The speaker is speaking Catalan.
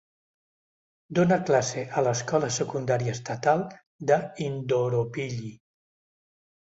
Dona classe a l'escola secundària estatal de Indooroopilly.